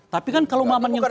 tapi kan kalau maman yang kuat